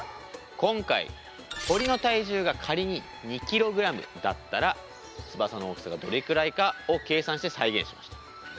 今回鳥の体重が仮に２ｋｇだったら翼の大きさがどれくらいかを計算して再現しました。